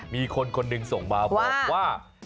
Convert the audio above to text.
มีคนคนหนึ่งส่งมาบอกว่า